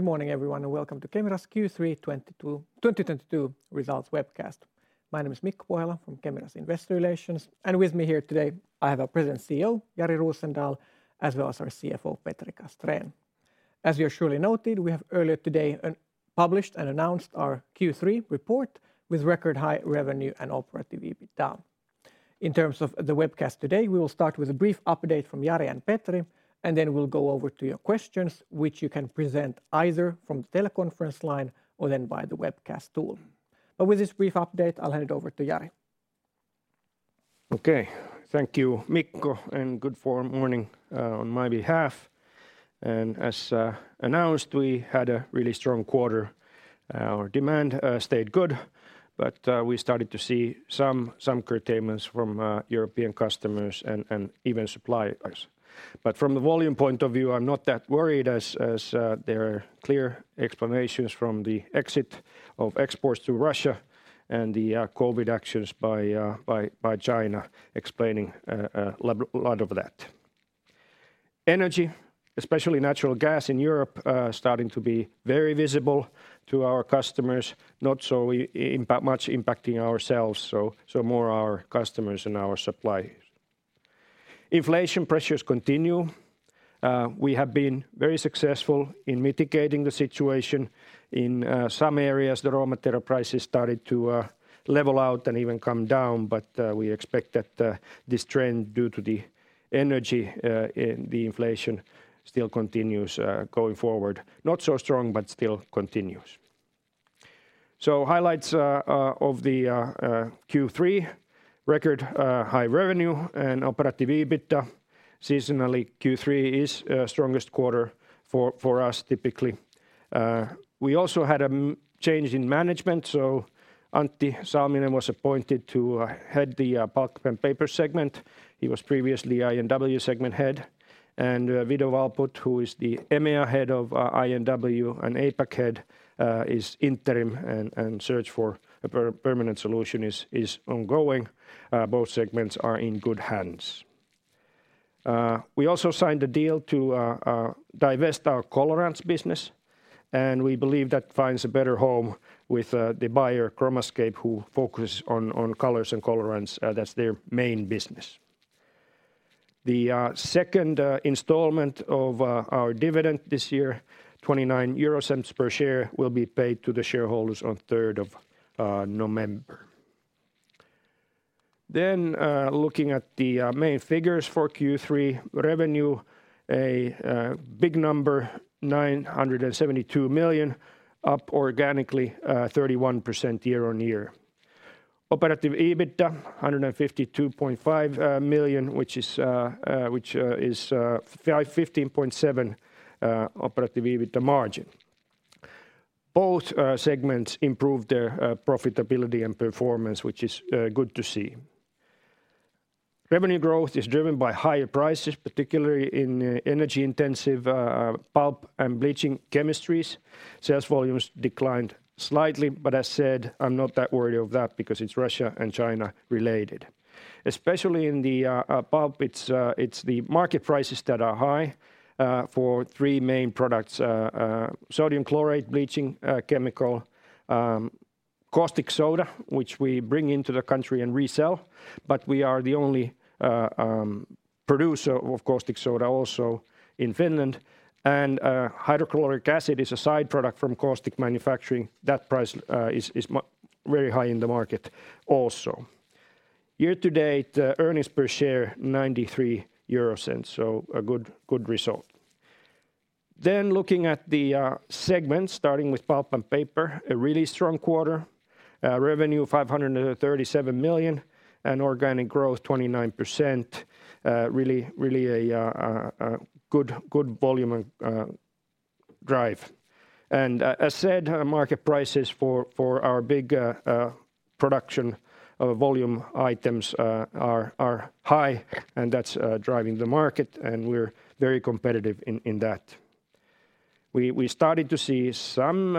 Good morning, everyone, and welcome to Kemira's Q3 2022 results webcast. My name is Mikko Pohjala from Kemira's Investor Relations, and with me here today, I have our President and CEO, Jari Rosendal, as well as our CFO, Petri Castrén. As you have surely noted, we have earlier today published and announced our Q3 report with record high revenue and operative EBITDA. In terms of the webcast today, we will start with a brief update from Jari and Petri, and then we'll go over to your questions, which you can present either from the teleconference line or then by the webcast tool. With this brief update, I'll hand it over to Jari. Okay. Thank you, Mikko, and good morning on my behalf. As announced, we had a really strong quarter. Our demand stayed good, but we started to see some curtailments from European customers and even suppliers. From the volume point of view, I'm not that worried as there are clear explanations from the exit of exports to Russia and the COVID actions by China explaining a lot of that. Energy, especially natural gas in Europe, starting to be very visible to our customers, not so much impacting ourselves, so more our customers and our suppliers. Inflation pressures continue. We have been very successful in mitigating the situation. In some areas, the raw material prices started to level out and even come down, but we expect that this trend, due to the energy and the inflation still continues going forward. Not so strong, but still continues. Highlights of the Q3, record high revenue and operating EBITDA. Seasonally, Q3 is strongest quarter for us typically. We also had a change in management, so Antti Salminen was appointed to head the Pulp & Paper segment. He was previously I&W segment head. Vidar Valpola, who is the EMEA head of I&W and APAC head, is interim and search for a permanent solution is ongoing. Both segments are in good hands. We also signed a deal to divest our Colorants business, and we believe that finds a better home with the buyer, ChromaScape, who focus on colors and colorants. That's their main business. The second installment of our dividend this year, 0.29 per share, will be paid to the shareholders on third of November. Looking at the main figures for Q3. Revenue, a big number, 972 million, up organically 31% year-on-year. Operative EBITDA, 152.5 million, which is 15.7 operative EBITDA margin. Both segments improved their profitability and performance, which is good to see. Revenue growth is driven by higher prices, particularly in energy-intensive pulp and bleaching chemistries. Sales volumes declined slightly, but as said, I'm not that worried of that because it's Russia and China related. Especially in the pulp, it's the market prices that are high for three main products, sodium chlorate, bleaching chemical, caustic soda, which we bring into the country and resell, but we are the only producer of caustic soda also in Finland, and hydrochloric acid is a side product from caustic manufacturing. That price is very high in the market also. Year to date, earnings per share 0.93 EUR, a good result. Looking at the segments, starting with Pulp & Paper, a really strong quarter. Revenue 537 million, and organic growth 29%. Really a good volume and drive. As said, market prices for our big production of volume items are high, and that's driving the market, and we're very competitive in that. We started to see some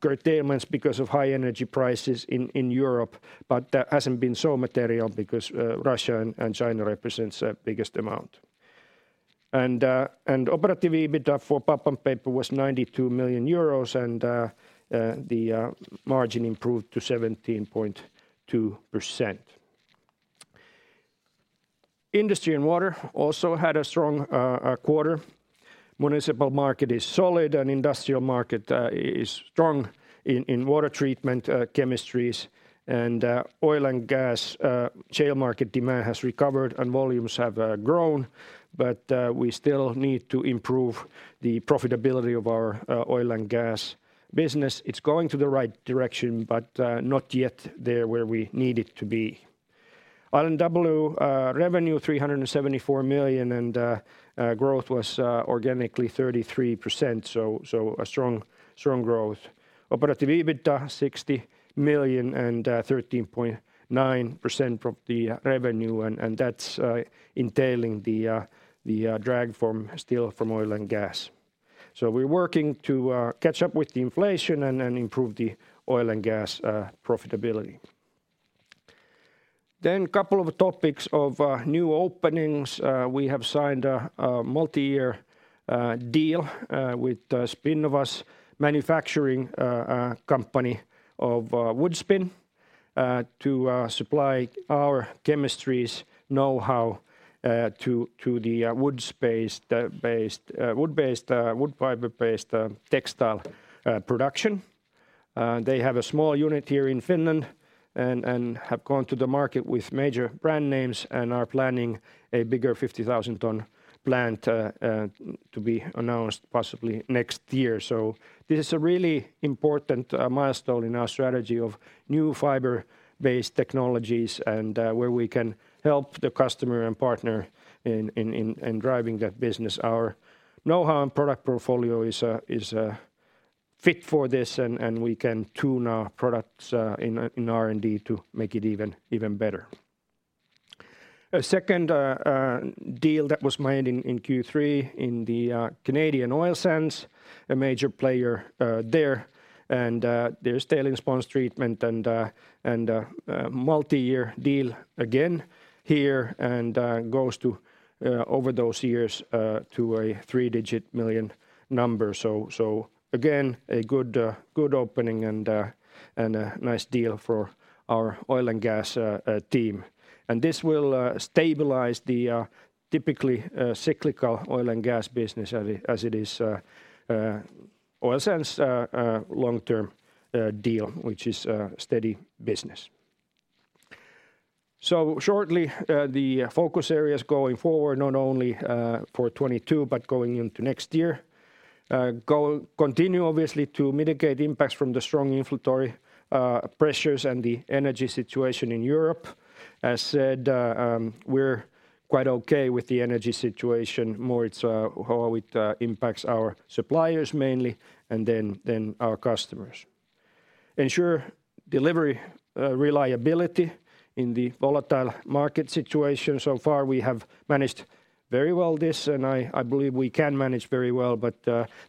curtailments because of high energy prices in Europe, but that hasn't been so material because Russia and China represents the biggest amount. Operative EBITDA for Pulp & Paper was 92 million euros, and the margin improved to 17.2%. Industry & Water also had a strong quarter. Municipal market is solid, and industrial market is strong in water treatment chemistries, and oil and gas shale market demand has recovered, and volumes have grown, but we still need to improve the profitability of our oil and gas business. It's going in the right direction but not yet there where we need it to be. I&W revenue 374 million, and growth was organically 33%, so a strong growth. Operative EBITDA 60 million and 13.9% from the revenue, and that's entailing the drag still from oil and gas. We're working to catch up with the inflation and then improve the oil and gas profitability. Couple of topics of new openings. We have signed a multi-year deal with Spinnova's manufacturing company of Woodspin to supply our chemistries knowhow to the wood space based wood-based wood fiber-based textile production. They have a small unit here in Finland and have gone to the market with major brand names and are planning a bigger 50,000-ton plant to be announced possibly next year. This is a really important milestone in our strategy of new fiber-based technologies and where we can help the customer and partner in driving that business. Our know-how and product portfolio is fit for this and we can tune our products in R&D to make it even better. A second deal that was made in Q3 in the Canadian oil sands, a major player there and their tailings pond treatment and multi-year deal again here and goes to over those years to a three-digit million EUR number. Again, a good opening and a nice deal for our oil and gas team. This will stabilize the typically cyclical oil and gas business as it is, oil sands long-term deal, which is steady business. Shortly, the focus areas going forward, not only for 2022 but going into next year, continue obviously to mitigate impacts from the strong inflationary pressures and the energy situation in Europe. As said, we're quite okay with the energy situation. More, it's how it impacts our suppliers mainly and then our customers. Ensure delivery reliability in the volatile market situation. So far, we have managed very well this, and I believe we can manage very well, but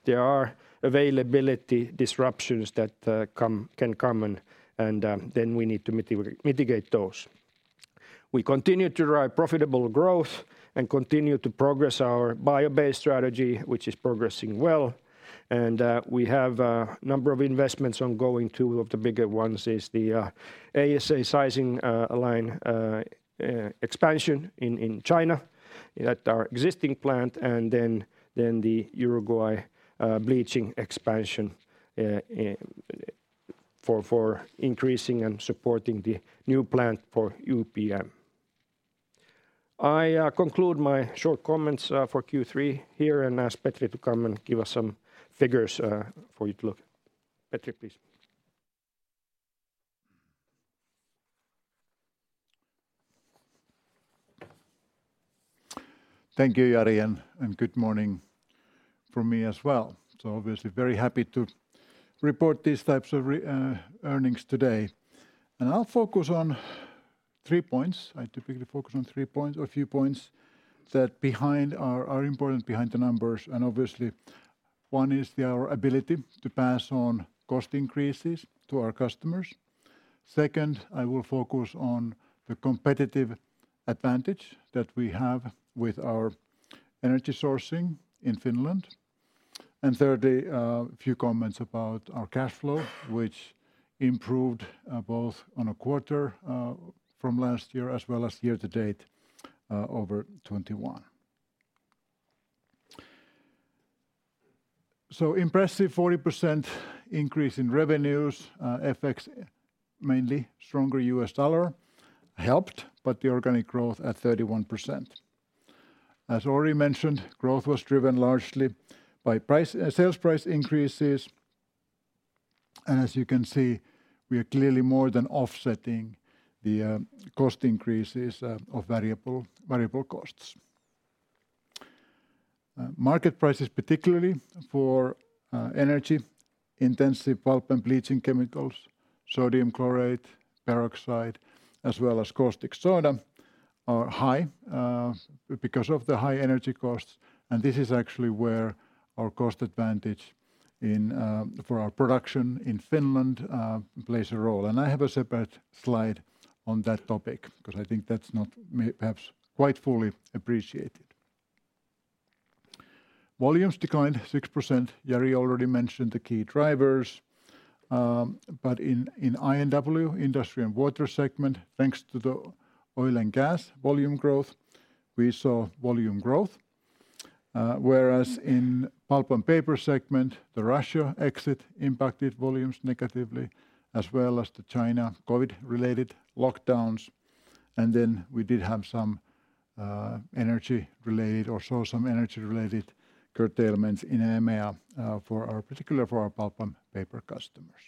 there are availability disruptions that can come and then we need to mitigate those. We continue to drive profitable growth and continue to progress our bio-based strategy, which is progressing well. We have a number of investments ongoing. Two of the bigger ones is the ASA sizing line expansion in China at our existing plant, and then the Uruguay bleaching expansion for increasing and supporting the new plant for UPM. I conclude my short comments for Q3 here and ask Petri to come and give us some figures for you to look. Petri, please. Thank you, Jari, and good morning from me as well. Obviously very happy to report these types of earnings today. I'll focus on three points. I typically focus on three points or a few points that are important behind the numbers, and obviously one is our ability to pass on cost increases to our customers. Second, I will focus on the competitive advantage that we have with our energy sourcing in Finland. Thirdly, a few comments about our cash flow, which improved both quarter-on-quarter from last year as well as year-to-date over 2021. Impressive 40% increase in revenues. Effects mainly stronger U.S. dollar helped, but the organic growth at 31%. As already mentioned, growth was driven largely by sales price increases, and as you can see, we are clearly more than offsetting the cost increases of variable costs. Market prices, particularly for energy-intensive pulp and bleaching chemicals, sodium chlorate, peroxide as well as caustic soda are high because of the high energy costs, and this is actually where our cost advantage in for our production in Finland plays a role. I have a separate slide on that topic because I think that's not perhaps quite fully appreciated. Volumes declined 6%. Jari already mentioned the key drivers, but in I&W, Industry & Water segment, thanks to the oil and gas volume growth, we saw volume growth. Whereas in Pulp & Paper segment, the Russia exit impacted volumes negatively as well as the China COVID-related lockdowns. We did have some energy-related curtailments in EMEA for our Pulp & Paper customers.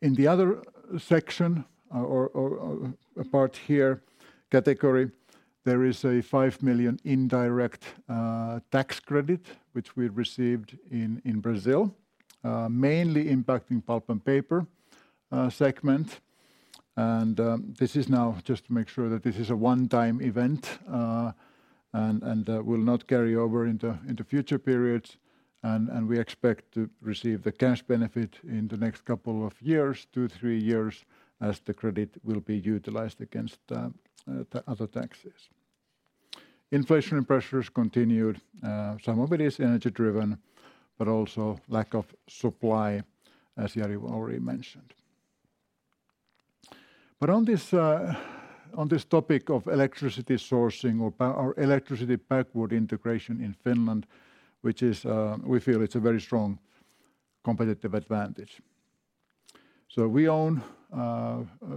In the other section or part here category, there is a 5 million indirect tax credit which we received in Brazil, mainly impacting Pulp & Paper segment. This is now just to make sure that this is a one-time event and will not carry over into future periods. We expect to receive the cash benefit in the next couple of years, 2, 3 years, as the credit will be utilized against other taxes. Inflation pressures continued. Some of it is energy-driven, but also lack of supply, as Jari already mentioned. On this topic of electricity sourcing or electricity backward integration in Finland, which we feel is a very strong competitive advantage. We own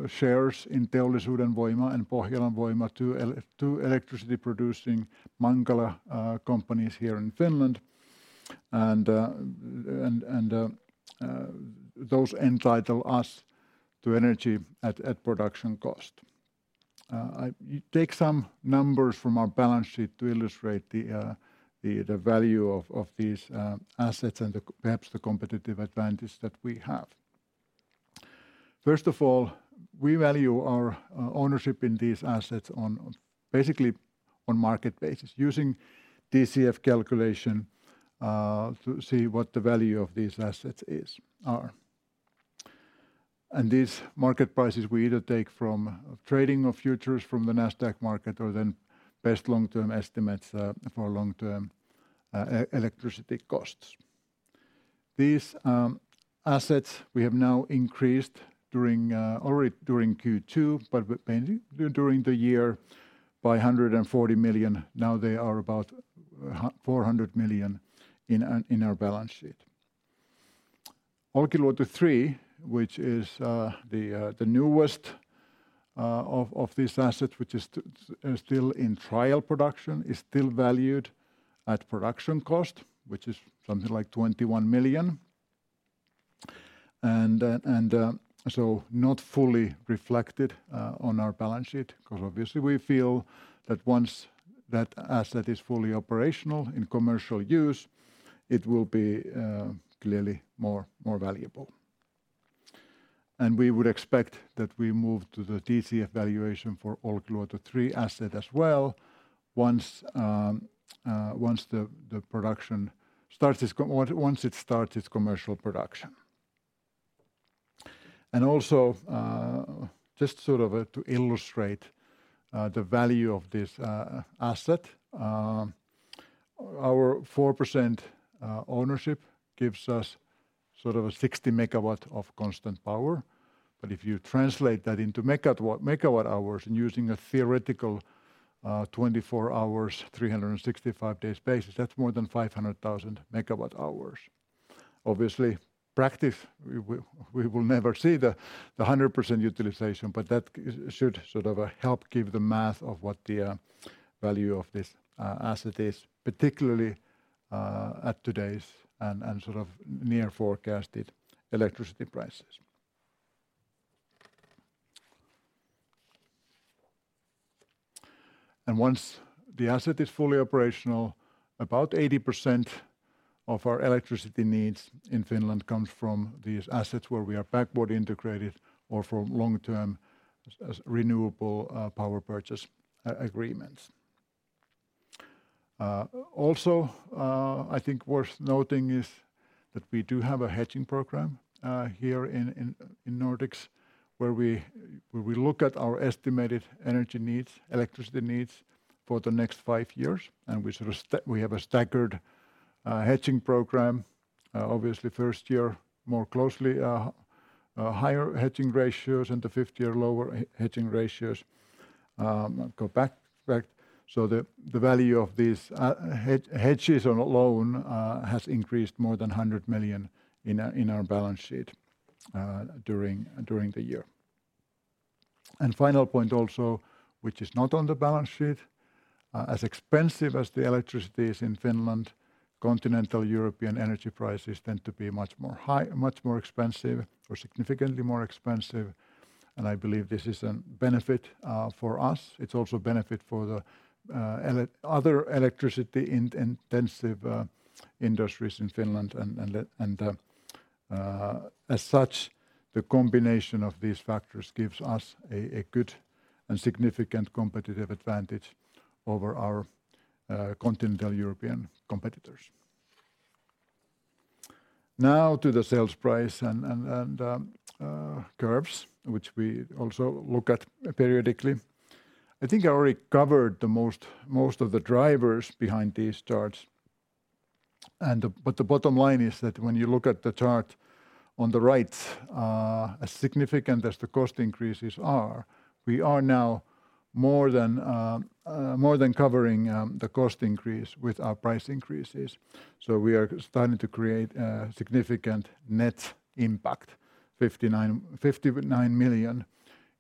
shares in Teollisuuden Voima and Pohjolan Voima, two electricity-producing Mankala companies here in Finland. Those entitle us to energy at production cost. I take some numbers from our balance sheet to illustrate the value of these assets and perhaps the competitive advantage that we have. First of all, we value our ownership in these assets on basically market basis using DCF calculation to see what the value of these assets is. These market prices we either take from trading of futures from the Nasdaq market or then best long-term estimates for long-term electricity costs. These assets we have now increased during already during Q2, but mainly during the year by 140 million. Now they are about 400 million in our balance sheet. Olkiluoto 3, which is the newest of these assets, which is still in trial production, is still valued at production cost, which is something like 21 million. Not fully reflected on our balance sheet 'cause obviously we feel that once that asset is fully operational in commercial use, it will be clearly more valuable. We would expect that we move to the DCF valuation for Olkiluoto 3 asset as well once it starts its commercial production. Just sort of to illustrate the value of this asset, our 4% ownership gives us sort of a 60 MW of constant power. If you translate that into MWh and using a theoretical 24 hours, 365 days basis, that's more than 500,000 MWh. Obviously, in practice we will never see the 100% utilization, but that should sort of help give the math of what the value of this asset is, particularly at today's and sort of near forecasted electricity prices. Once the asset is fully operational, about 80% of our electricity needs in Finland comes from these assets where we are backward integrated or from long-term renewable power purchase agreements. Also, I think worth noting is that we do have a hedging program here in Nordics, where we look at our estimated energy needs, electricity needs for the next 5 years, and we have a staggered hedging program. Obviously first year more closely, higher hedging ratios and the fifth year lower hedging ratios. So the value of these hedges alone has increased more than 100 million in our balance sheet during the year. Final point also, which is not on the balance sheet, as expensive as the electricity is in Finland, continental European energy prices tend to be much more expensive or significantly more expensive. I believe this is a benefit for us. It's also a benefit for the other electricity-intensive industries in Finland. As such, the combination of these factors gives us a good and significant competitive advantage over our continental European competitors. Now to the sales price and curves, which we also look at periodically. I think I already covered the most of the drivers behind these charts. The bottom line is that when you look at the chart on the right, as significant as the cost increases are, we are now more than covering the cost increase with our price increases. We are starting to create significant net impact, 59 million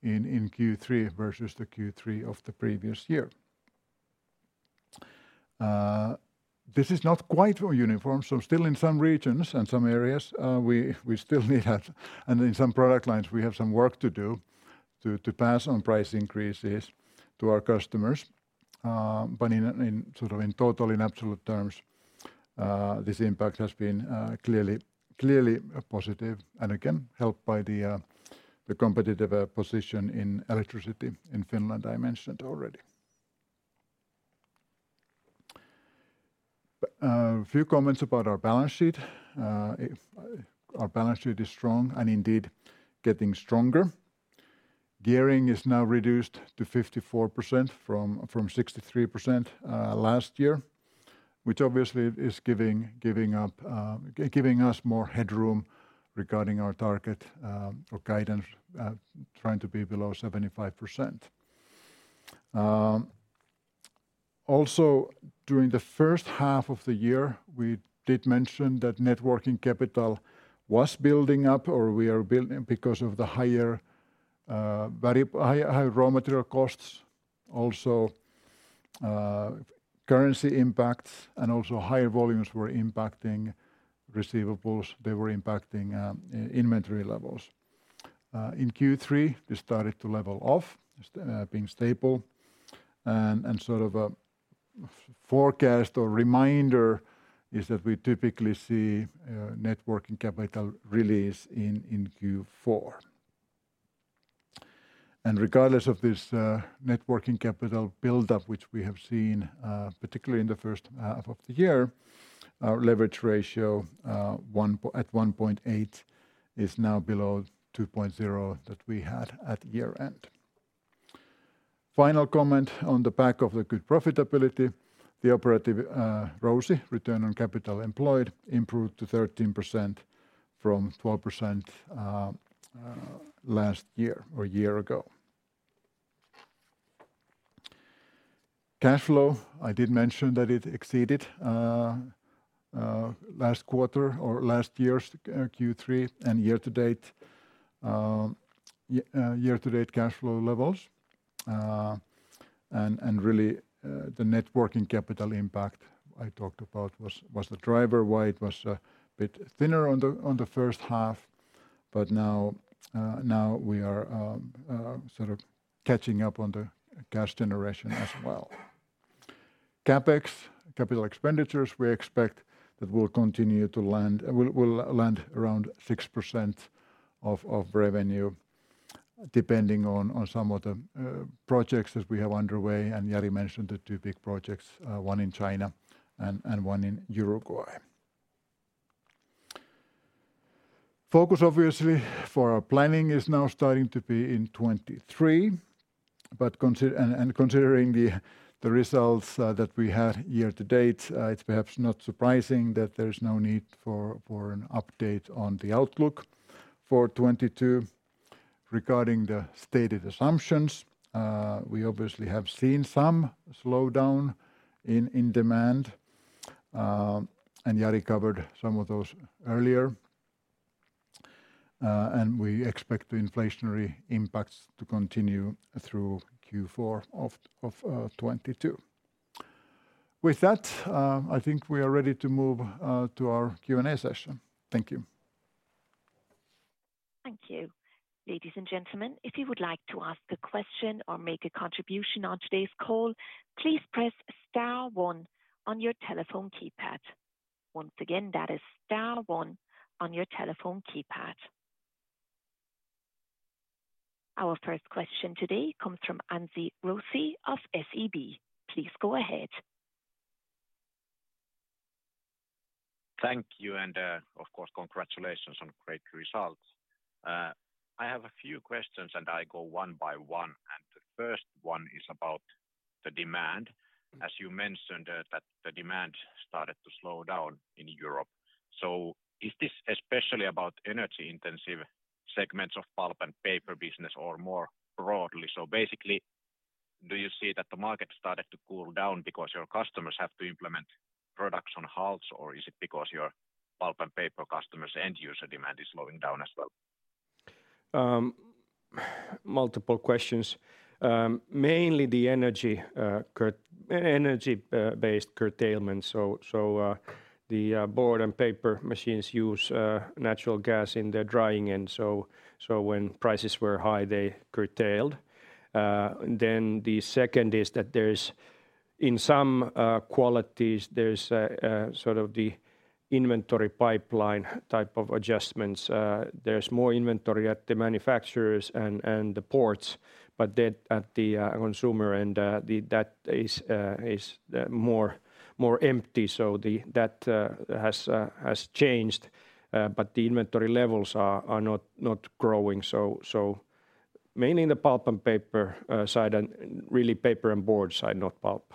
in Q3 versus the Q3 of the previous year. This is not quite all uniform. Still in some regions and some areas, we still need that and in some product lines, we have some work to do to pass on price increases to our customers. In total, in absolute terms, this impact has been clearly positive and again helped by the competitive position in electricity in Finland I mentioned already. A few comments about our balance sheet. Our balance sheet is strong and indeed getting stronger. Gearing is now reduced to 54% from 63% last year, which obviously is giving us more headroom regarding our target or guidance trying to be below 75%. Also during the first half of the year, we did mention that net working capital was building up, or we are building because of the higher very high raw material costs. Also currency impacts and also higher volumes were impacting receivables. They were impacting inventory levels. In Q3, we started to level off being stable. Sort of a forecast or reminder is that we typically see net working capital release in Q4. Regardless of this net working capital buildup, which we have seen particularly in the first half of the year, our leverage ratio 1.8 is now below 2.0 that we had at year-end. Final comment on the back of the good profitability, the operating ROCE, return on capital employed, improved to 13% from 12% last year or a year ago. Cash flow, I did mention that it exceeded last quarter or last year's Q3 and year to date cash flow levels. The net working capital impact I talked about was the driver why it was a bit thinner on the first half. Now we are sort of catching up on the cash generation as well. CapEx, capital expenditures, we expect that we'll continue to land around 6% of revenue depending on some of the projects that we have underway. Jari mentioned the two big projects, one in China and one in Uruguay. Focus obviously for our planning is now starting to be in 2023. Considering the results that we had year to date, it's perhaps not surprising that there is no need for an update on the outlook for 2022. Regarding the stated assumptions, we obviously have seen some slowdown in demand, and Jari covered some of those earlier. We expect the inflationary impacts to continue through Q4 of 2022. With that, I think we are ready to move to our Q&A session. Thank you. Thank you. Ladies and gentlemen, if you would like to ask a question or make a contribution on today's call, please press star one on your telephone keypad. Once again, that is star one on your telephone keypad. Our first question today comes from Anssi Raussi of SEB. Please go ahead. Thank you. Of course, congratulations on great results. I have a few questions, and I go one by one, and the first one is about the demand. As you mentioned that the demand started to slow down in Europe. Is this especially about energy-intensive segments of Pulp & Paper business or more broadly? Basically, do you see that the market started to cool down because your customers have to implement production halts, or is it because your Pulp & Paper customers' end user demand is slowing down as well? Multiple questions. Mainly the energy based curtailment. Board and paper machines use natural gas in their drying. When prices were high, they curtailed. The second is that there's in some qualities, there's a sort of the inventory pipeline type of adjustments. There's more inventory at the manufacturers and the ports, but then at the consumer end, that is more empty. That has changed, but the inventory levels are not growing. Mainly in the pulp and paper side and really paper and board side, not pulp.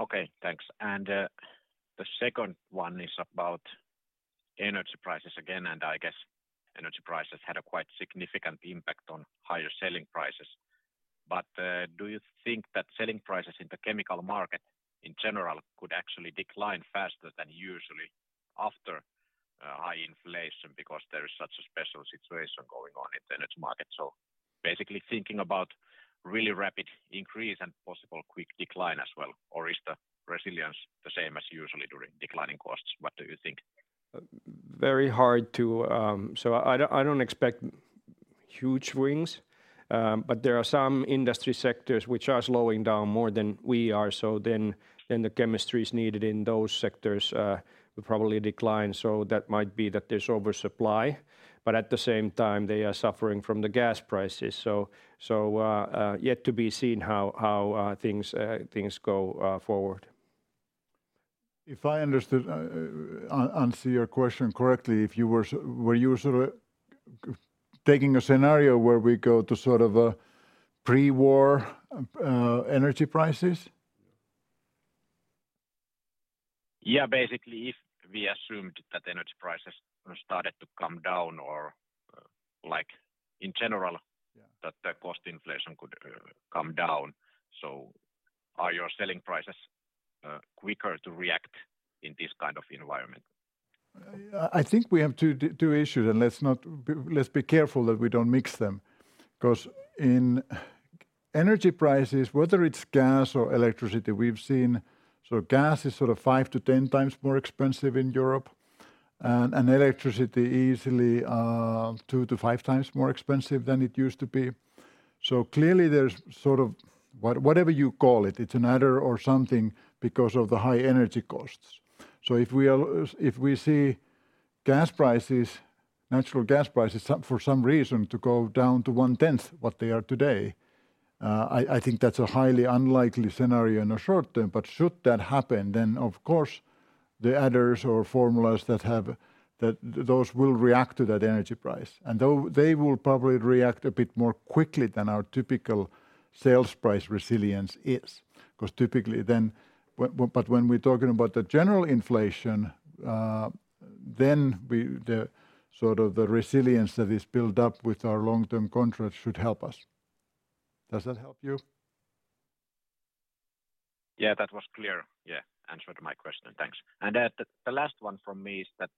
Okay. Thanks. The second one is about energy prices again, and I guess energy prices had a quite significant impact on higher selling prices. Do you think that selling prices in the chemical market in general could actually decline faster than usually after high inflation because there is such a special situation going on in the energy market? Basically thinking about really rapid increase and possible quick decline as well, or is the resilience the same as usually during declining costs? What do you think? Very hard to. I don't expect Huge swings. There are some industry sectors which are slowing down more than we are. The chemistries needed in those sectors will probably decline. That might be there's oversupply, but at the same time they are suffering from the gas prices. Yet to be seen how things go forward. If I understood, to answer your question correctly, were you sort of taking a scenario where we go to sort of a pre-war energy prices? Yeah. Basically, if we assumed that energy prices started to come down or, like in general- Yeah that the cost inflation could come down. Are your selling prices quicker to react in this kind of environment? I think we have two issues, and let's be careful that we don't mix them. 'Cause in energy prices, whether it's gas or electricity, we've seen gas is sort of five to ten times more expensive in Europe and electricity easily two to five times more expensive than it used to be. Clearly there's sort of whatever you call it's an adder or something because of the high energy costs. If we see gas prices, natural gas prices for some reason to go down to one-tenth what they are today, I think that's a highly unlikely scenario in the short term. Should that happen, then of course the adders or formulas that those will react to that energy price. Though they will probably react a bit more quickly than our typical sales price resilience is 'cause typically then. When we're talking about the general inflation, then the sort of the resilience that is built up with our long-term contracts should help us. Does that help you? Yeah. That was clear. Yeah. Answered my question. Thanks. The last one from me is that,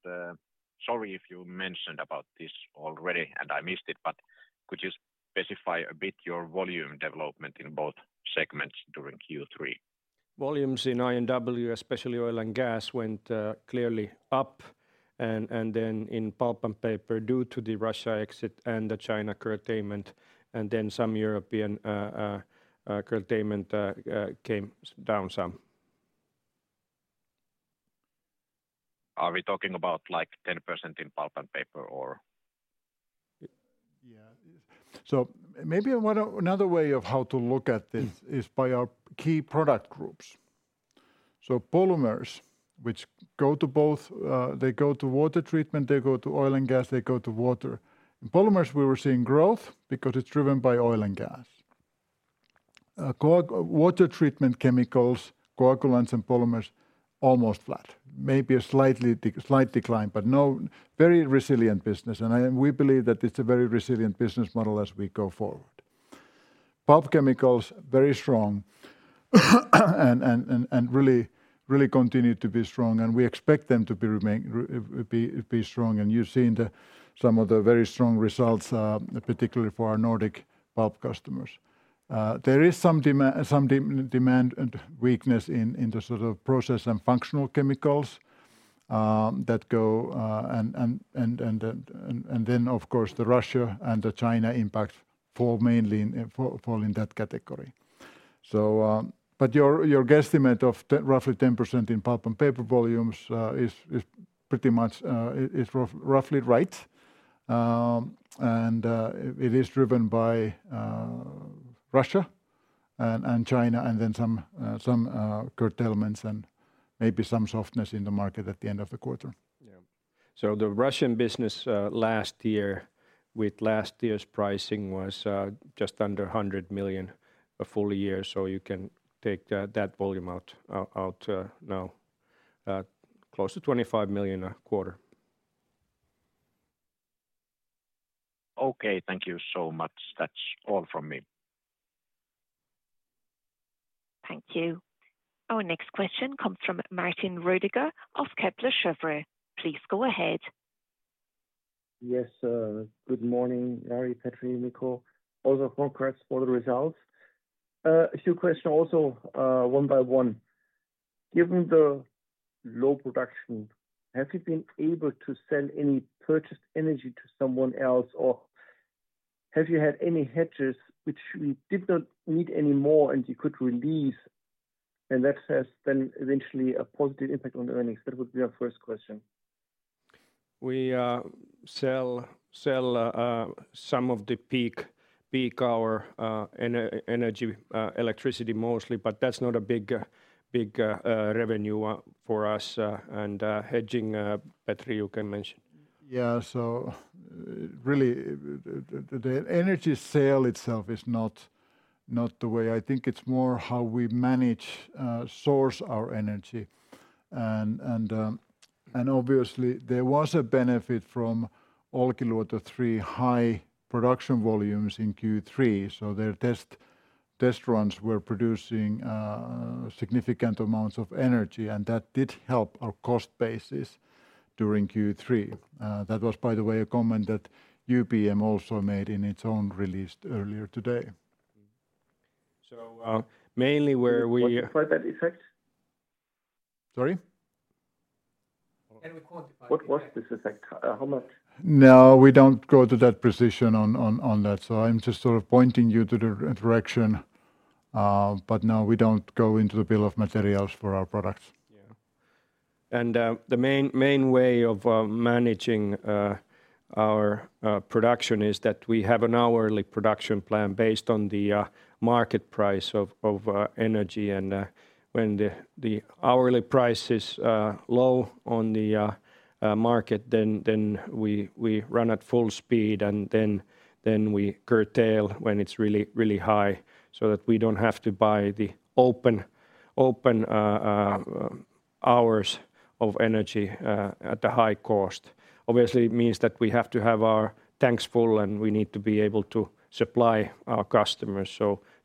sorry if you mentioned about this already and I missed it, but could you specify a bit your volume development in both segments during Q3? Volumes in I&W, especially oil and gas, went clearly up and then in Pulp & Paper, due to the Russia exit and the China curtailment and then some European curtailment, came down some. Are we talking about like 10% in pulp and paper or? Yeah. Maybe one another way of how to look at this is by our key product groups. Polymers, which go to both, they go to water treatment, they go to oil and gas, they go to water. In polymers, we were seeing growth because it's driven by oil and gas. Water treatment chemicals, coagulants and polymers, almost flat. Maybe a slight decline, but no, very resilient business. We believe that it's a very resilient business model as we go forward. Pulp chemicals, very strong, and really continue to be strong, and we expect them to be strong. You've seen some of the very strong results, particularly for our Nordic pulp customers. There is some demand and weakness in the sort of process and functional chemicals that go and then of course the Russia and the China impact fall mainly in that category. But your guesstimate of roughly 10% in pulp and paper volumes is pretty much roughly right. It is driven by Russia and China and then some curtailments and maybe some softness in the market at the end of the quarter. The Russian business last year with last year's pricing was just under 100 million a full year, so you can take that volume out now. Close to 25 million a quarter. Okay. Thank you so much. That's all from me. Thank you. Our next question comes from Martin Roediger of Kepler Cheuvreux. Please go ahead. Yes. Good morning, Jari Rosendal, Petri Castrén, Mikko Pohjala. Also congrats for the results. A few questions also, one by one. Given the low production, have you been able to sell any purchased energy to someone else? Or have you had any hedges which you did not need anymore and you could release and that has then eventually a positive impact on earnings? That would be our first question. We sell some of the peak-hour electricity mostly, but that's not a big revenue for us. Hedging, Petri Castrén, you can mention. Yeah. Really the energy sale itself is not the way. I think it's more how we manage to source our energy and obviously there was a benefit from Olkiluoto 3 high production volumes in Q3, so their test runs were producing significant amounts of energy and that did help our cost basis during Q3. That was by the way a comment that UPM also made in its own release earlier today. Mainly where we What that effect? Sorry? What was this effect? How much- No, we don't go to that precision on that. I'm just sort of pointing you to the direction, but no, we don't go into the bill of materials for our products. Yeah. The main way of managing our production is that we have an hourly production plan based on the market price of energy. When the hourly price is low on the market then we run at full speed and then we curtail when it's really high so that we don't have to buy the open hours of energy at a high cost. Obviously it means that we have to have our tanks full, and we need to be able to supply our customers.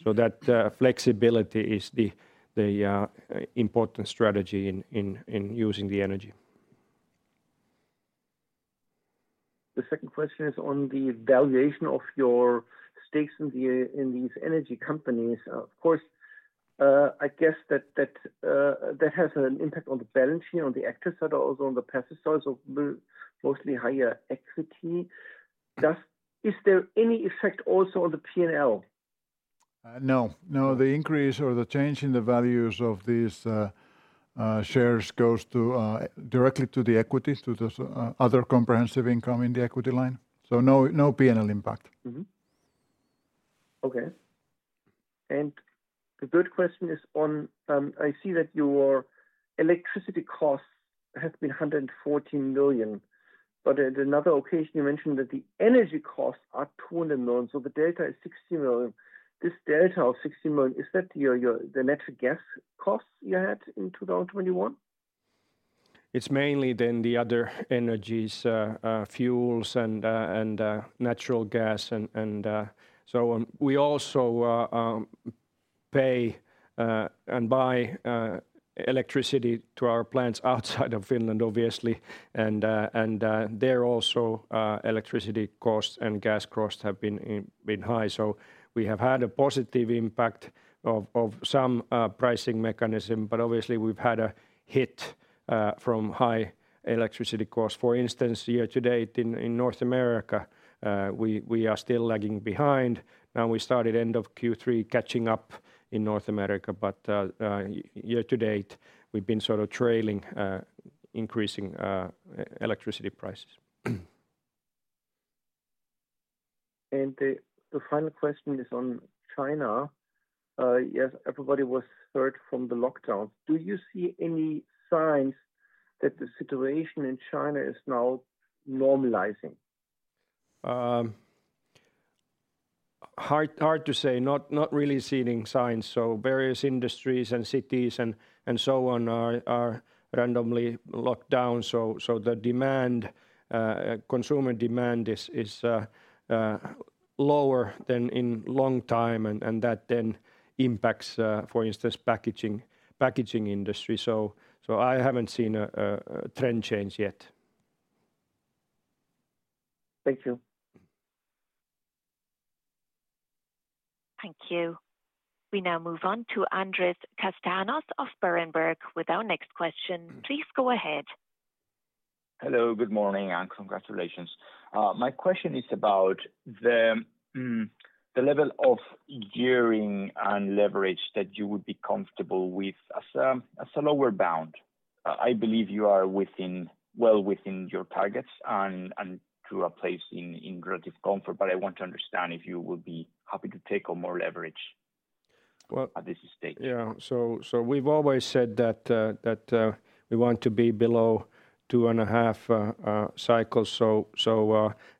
That flexibility is the important strategy in using the energy. The second question is on the valuation of your stakes in these energy companies. Of course, I guess that has an impact on the balance sheet on the active side, also on the passive side, so mostly higher equity. Is there any effect also on the P&L? No. The increase or the change in the values of these shares goes to directly to the equity, to the other comprehensive income in the equity line. No P&L impact. Okay. The third question is on, I see that your electricity costs have been 114 million, but at another occasion you mentioned that the energy costs are 200 million, so the delta is 60 million. This delta of 60 million, is that your net gas costs you had in 2021? It's mainly the other energies, fuels and natural gas and so on. We also pay and buy electricity to our plants outside of Finland obviously, and there also electricity costs and gas costs have been high. We have had a positive impact of some pricing mechanism, but obviously we've had a hit from high electricity costs. For instance, year to date in North America, we are still lagging behind. Now we started end of Q3 catching up in North America, but year to date, we've been sort of trailing increasing electricity prices. The final question is on China. Yes, everybody was hurt from the lockdown. Do you see any signs that the situation in China is now normalizing? Hard to say. Not really seeing signs. Various industries and cities and so on are randomly locked down, so the demand, consumer demand is lower than in long time and that then impacts, for instance, packaging industry. I haven't seen a trend change yet. Thank you. Thank you. We now move on to Andrés Castaño Mollor of Berenberg with our next question. Please go ahead. Hello, good morning, and congratulations. My question is about the level of gearing and leverage that you would be comfortable with as a lower bound. I believe you are well within your targets and to a place in relative comfort. I want to understand if you would be happy to take on more leverage. Well- At this stage. We've always said that we want to be below 2.5 cycles.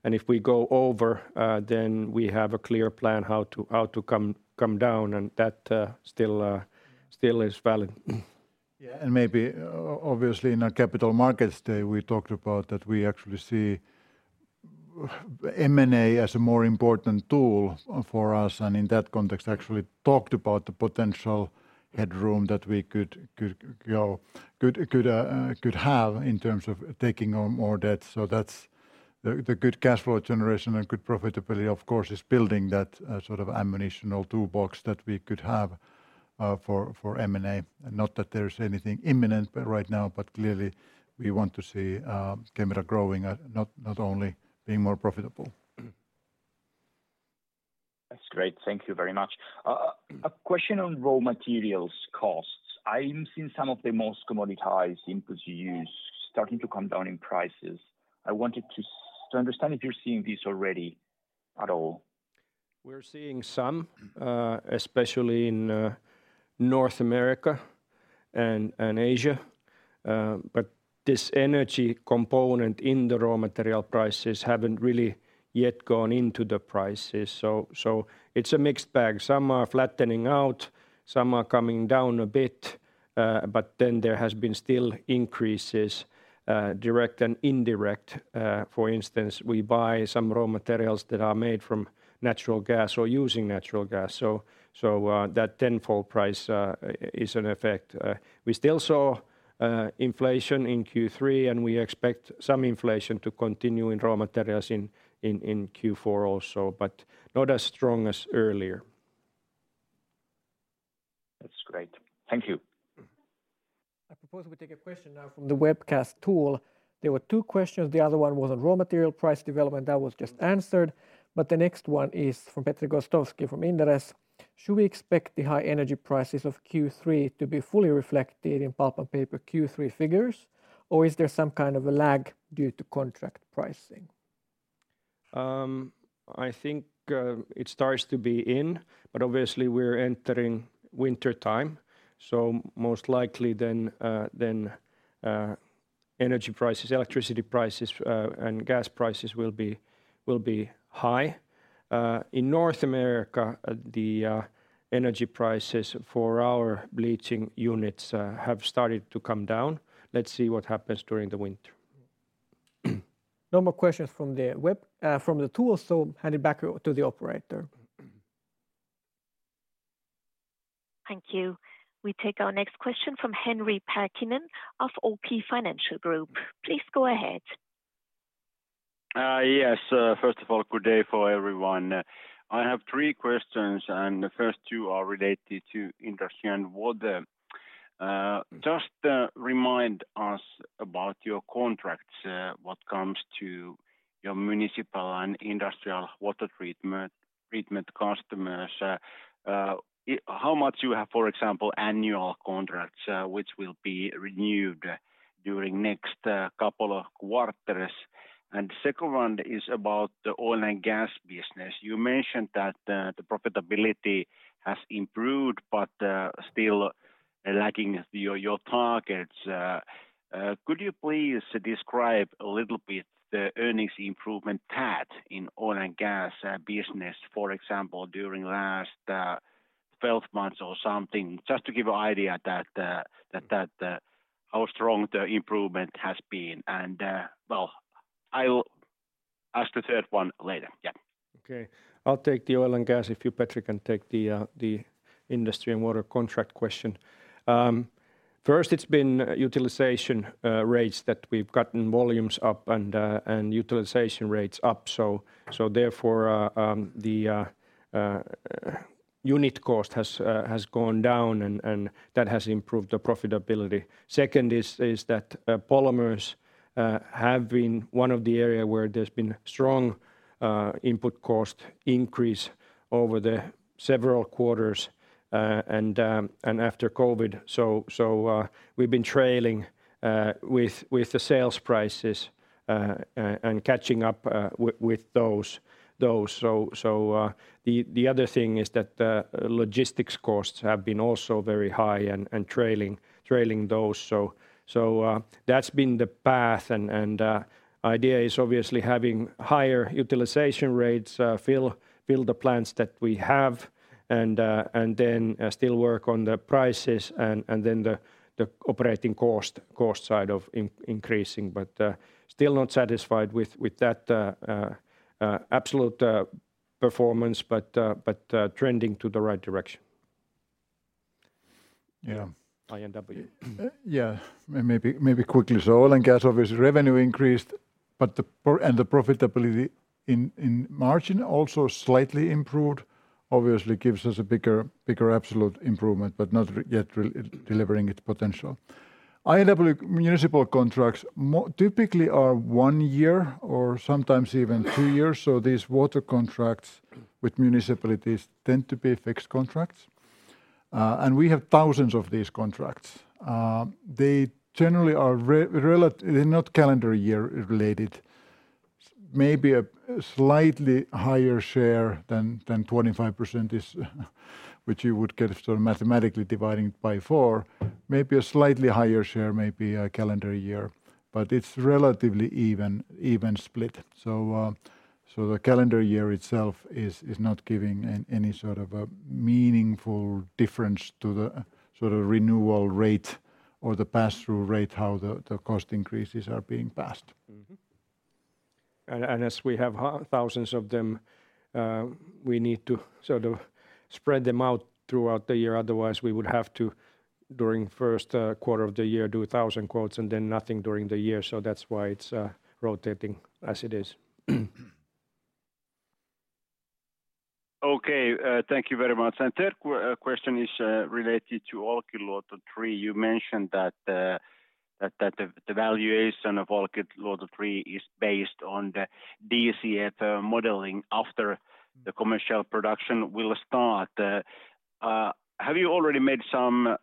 If we go over, then we have a clear plan how to come down and that still is valid. Yeah. Maybe, obviously in our Capital Markets Day, we talked about that we actually see M&A as a more important tool for us, and in that context actually talked about the potential headroom that we could, you know, have in terms of taking on more debt. That's the good cash flow generation and good profitability, of course, is building that sort of ammunition or toolbox that we could have for M&A. Not that there's anything imminent but right now, but clearly we want to see Kemira growing, not only being more profitable. That's great. Thank you very much. A question on raw materials costs. I am seeing some of the most commoditized inputs you use starting to come down in prices. I wanted to understand if you're seeing this already at all. We're seeing some especially in North America and Asia. This energy component in the raw material prices haven't really yet gone into the prices. It's a mixed bag. Some are flattening out, some are coming down a bit. There has been still increases, direct and indirect. For instance, we buy some raw materials that are made from natural gas or using natural gas. That tenfold price is in effect. We still saw inflation in Q3, and we expect some inflation to continue in raw materials in Q4 also, but not as strong as earlier. That's great. Thank you. I propose we take a question now from the webcast tool. There were two questions. The other one was on raw material price development, that was just answered. The next one is from Petri Gostowski from Inderes. Should we expect the high energy prices of Q3 to be fully reflected in pulp and paper Q3 figures or is there some kind of a lag due to contract pricing? I think it starts to be interesting, but obviously we're entering wintertime, so most likely then energy prices, electricity prices, and gas prices will be high. In North America, the energy prices for our bleaching units have started to come down. Let's see what happens during the winter. No more questions from the tool, so hand it back to the operator. Thank you. We take our next question from Henri Parkkinen of OP Financial Group. Please go ahead. Yes. First of all, good day for everyone. I have three questions, and the first two are related to Industry and Water. Mm-hmm Just remind us about your contracts, when it comes to your municipal and industrial water treatment customers. How much you have, for example, annual contracts, which will be renewed during next couple of quarters? Second one is about the oil and gas business. You mentioned that the profitability has improved but still lacking your targets. Could you please describe a little bit the earnings improvement track in oil and gas business, for example, during last 12 months or something, just to give an idea that how strong the improvement has been? Well, I will ask the third one later. Yeah. Okay. I'll take the oil and gas if you, Petri, can take the Industry & Water contract question. First it's been utilization rates that we've gotten volumes up and utilization rates up. Unit cost has gone down and that has improved the profitability. Second is that polymers have been one of the area where there's been strong input cost increase over the several quarters and after COVID. We've been trailing with the sales prices and catching up with those. The other thing is that logistics costs have been also very high and trailing those. That's been the path and idea is obviously having higher utilization rates, fill the plants that we have and then still work on the prices and then the operating cost side of increasing. Still not satisfied with that absolute performance, but trending to the right direction. Yeah. I&W. Yeah. Maybe quickly. Oil and gas, obviously, revenue increased, but the profitability in margin also slightly improved, obviously gives us a bigger absolute improvement, but not yet delivering its potential. I&W municipal contracts typically are one year or sometimes even two years. These water contracts with municipalities tend to be fixed contracts. We have thousands of these contracts. They generally are not calendar year related. Maybe a slightly higher share than 25% which you would get if sort of mathematically dividing it by four. Maybe a slightly higher share, maybe a calendar year. It's relatively even split. The calendar year itself is not giving any sort of a meaningful difference to the sort of renewal rate or the pass-through rate, how the cost increases are being passed. As we have thousands of them, we need to sort of spread them out throughout the year. Otherwise we would have to during first quarter of the year do 1,000 quotes and then nothing during the year. That's why it's rotating as it is. Okay. Thank you very much. Third question is related to Olkiluoto 3. You mentioned that the valuation of Olkiluoto 3 is based on the DCF modeling after the commercial production will start. Have you already made some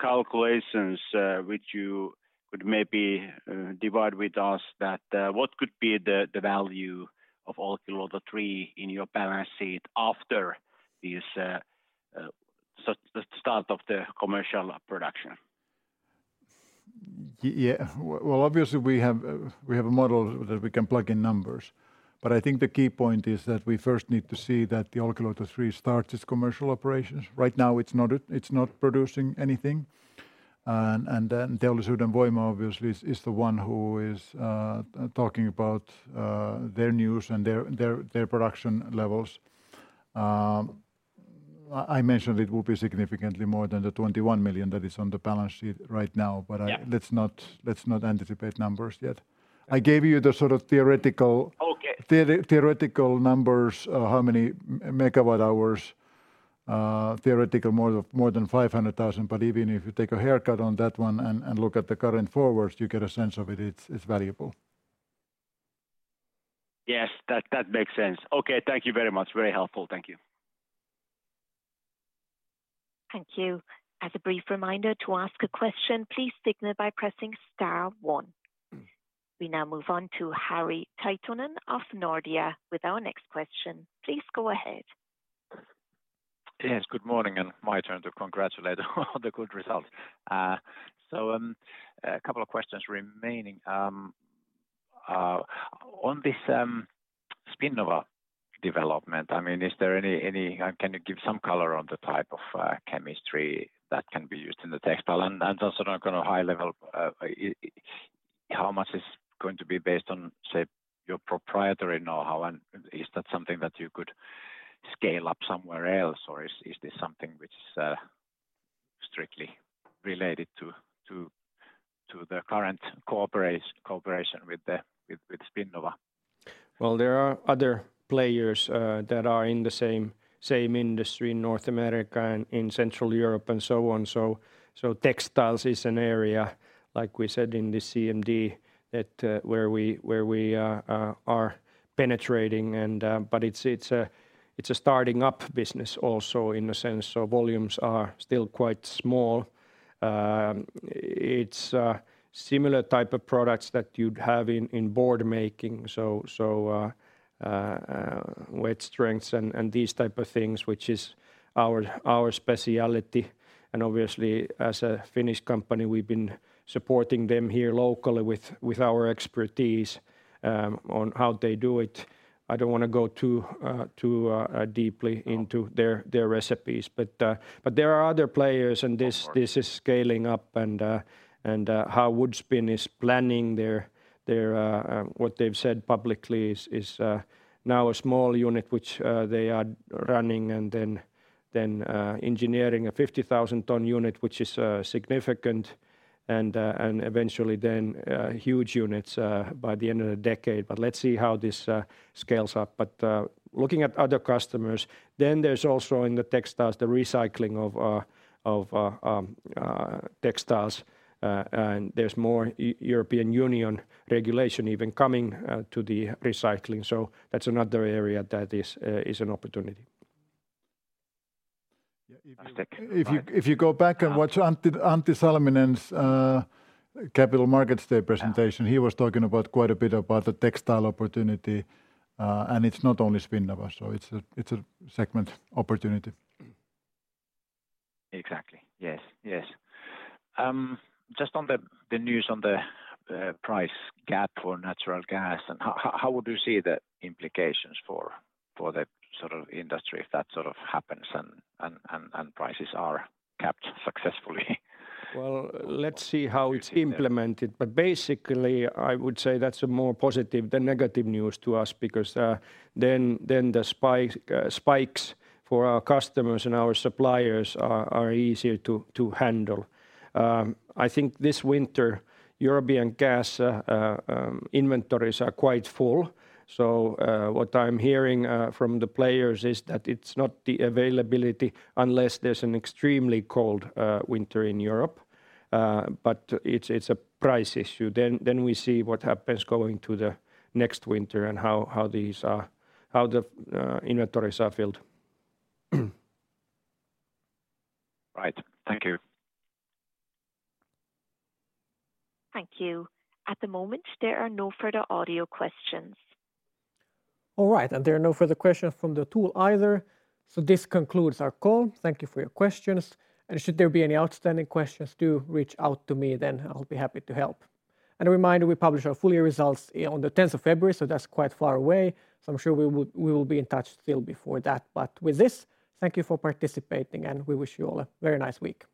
calculations which you could maybe share with us that what could be the value of Olkiluoto 3 in your balance sheet after this start of the commercial production? Yeah. Well, obviously we have a model that we can plug in numbers. I think the key point is that we first need to see that the Olkiluoto 3 starts its commercial operations. Right now, it's not producing anything. Then Teollisuuden Voima, obviously, is the one who is talking about their news and their production levels. I mentioned it will be significantly more than the 21 million that is on the balance sheet right now. Yeah Let's not anticipate numbers yet. I gave you the sort of theoretical. Okay theoretical numbers, how many megawatt hours- Theoretically more than 500,000, but even if you take a haircut on that one and look at the current forward, you get a sense of it. It's valuable. Yes. That makes sense. Okay. Thank you very much. Very helpful. Thank you. Thank you. As a brief reminder, to ask a question, please signal by pressing star one. We now move on to Harri Taitanen of Nordea with our next question. Please go ahead. Yes. Good morning, my turn to congratulate on the good results. A couple of questions remaining. On this Spinnova development, I mean, can you give some color on the type of chemistry that can be used in the textile? Also on a kind of high level, how much is going to be based on, say, your proprietary know-how, and is that something that you could scale up somewhere else, or is this something which is strictly related to the current cooperation with Spinnova? Well, there are other players that are in the same industry in North America and in Central Europe, and so on. Textiles is an area, like we said in the CMD, that where we are penetrating and. It's a starting up business also in a sense, so volumes are still quite small. It's similar type of products that you'd have in board making, so weight strengths and these type of things, which is our specialty. Obviously, as a Finnish company, we've been supporting them here locally with our expertise on how they do it. I don't wanna go too deeply into their recipes, but there are other players, and this. Of course. This is scaling up. What they've said publicly is now a small unit which they are running and then engineering a 50,000-ton unit which is significant and eventually huge units by the end of the decade. Let's see how this scales up. Looking at other customers, there's also in the textiles the recycling of textiles, and there's more European Union regulation even coming to the recycling, so that's another area that is an opportunity. Yeah. If you go back and watch Antti Salminen's Capital Markets Day presentation. Yeah He was talking quite a bit about the textile opportunity, and it's not only Spinnova, so it's a segment opportunity. Exactly. Yes. Yes. Just on the news on the price gap for natural gas, and how would you see the implications for the sort of industry if that sort of happens and prices are capped successfully? Well, let's see how it's implemented. Basically I would say that's more positive than negative news to us because then the spikes for our customers and our suppliers are easier to handle. I think this winter European gas inventories are quite full, so what I'm hearing from the players is that it's not the availability unless there's an extremely cold winter in Europe. It's a price issue. We see what happens going to the next winter and how the inventories are filled. Right. Thank you. Thank you. At the moment, there are no further audio questions. All right. There are no further questions from the tool either, so this concludes our call. Thank you for your questions. Should there be any outstanding questions, do reach out to me then, I'll be happy to help. A reminder, we publish our full-year results on the tenth of February, so that's quite far away, so I'm sure we will be in touch still before that. With this, thank you for participating, and we wish you all a very nice week. Thank you.